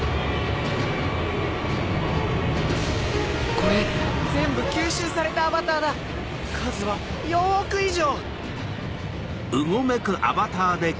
これ全部吸収されたアバターだ数は４億以上！